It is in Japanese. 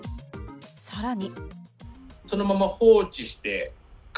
さらに。